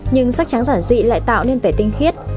nhưng sách trắng giản dị lại tạo nên vẻ tinh khiết